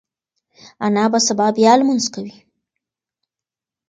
انا به سبا بیا لمونځ کوي.